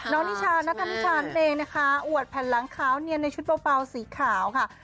น้องนิชานัทนิชาเนย์นะคะอวดแผ่นหลังขาวเนียนในชุดเปล่าสีขาวค่ะ